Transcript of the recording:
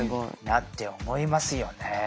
なって思いますよね